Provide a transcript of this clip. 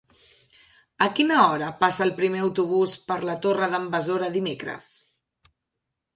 A quina hora passa el primer autobús per la Torre d'en Besora dimecres?